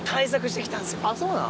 あっそうなん？